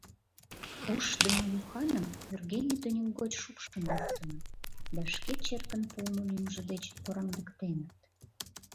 Ушдымо-Юханым вӱргене тӱньык гоч шупшын луктыныт да шке черкын пуымо лӱмжӧ деч кораҥдыктеныт!